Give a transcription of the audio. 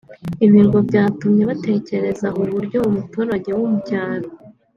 Ibi ngo byatumye batekereza uburyo umuturage wo mu cyaro